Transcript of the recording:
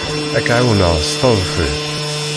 Ad k-ɛawneɣ s teḍfi.